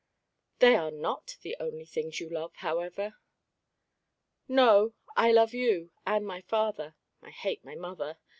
"They are not the only things you love, however." "No, I love you and my father. I hate my mother.